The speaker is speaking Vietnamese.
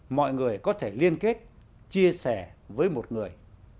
mọi người có thể liên kết chia sẻ với một người